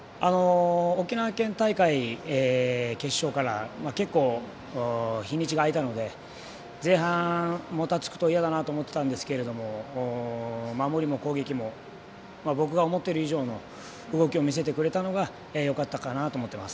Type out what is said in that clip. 沖縄県大会決勝から結構、日にちが空いたので前半、もたつくと嫌だなと思ってたんですけど守りも攻撃も僕が思っている以上の動きを見せてくれたのがよかったかなと思っています。